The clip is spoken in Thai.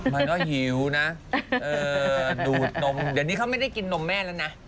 มันก็หิวนะดูดนมเดี๋ยวนี้เขาไม่ได้กินนมแม่แล้วนะ